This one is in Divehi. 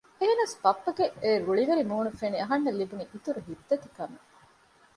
އެހެންނަސް ބައްޕަގެ އެ ރުޅިވެރި މޫނު ފެނި އަހަންނަށް ލިބުނީ އިތުރު ހިތްދަތިކަމެއް